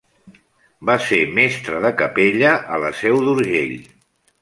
Va ser mestre de capella a la Seu d'Urgell.